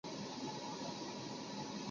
叶城沙蜥为鬣蜥科沙蜥属的爬行动物。